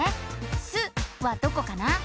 「す」はどこかな？